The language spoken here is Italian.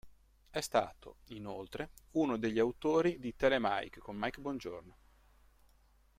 È stato, inoltre, uno degli autori di "Telemike" con Mike Bongiorno.